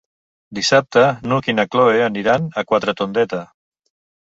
Dissabte n'Hug i na Cloè aniran a Quatretondeta.